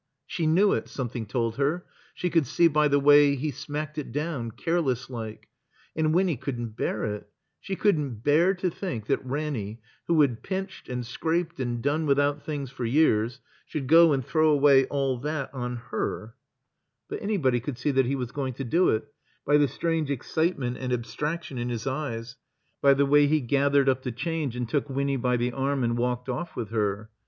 She knew it, something told her; she could see by the way he smacked it down, careless like. And Winny couldn't bear it; she couldn't bear to think that Ranny, who had pinched and scraped and done without things for years, should go and throw away all that on herl 357 THE COMBINED MAZE But anybody could see that he was going to do it, by the strange excitement and abstraction in his eyes, by the way he gathered up the change and took "V^^nny by the arm and walked off with her.